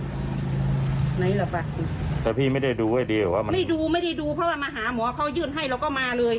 ไหนล่ะป่ะแต่พี่ไม่ได้ดูให้ดีเหรอว่ามันไม่ดูไม่ได้ดูเพราะว่ามาหาหมอเขายื่นให้เราก็มาเลย